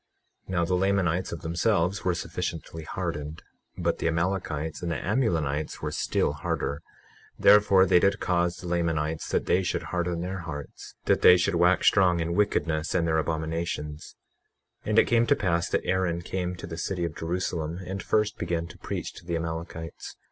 21:3 Now the Lamanites of themselves were sufficiently hardened, but the Amalekites and the Amulonites were still harder; therefore they did cause the Lamanites that they should harden their hearts, that they should wax strong in wickedness and their abominations. 21:4 And it came to pass that Aaron came to the city of Jerusalem, and first began to preach to the Amalekites.